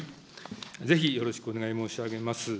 ぜひよろしくお願い申し上げます。